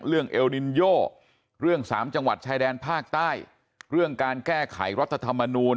เอลนินโยเรื่องสามจังหวัดชายแดนภาคใต้เรื่องการแก้ไขรัฐธรรมนูล